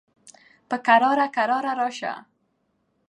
په قلاره قلاره راشه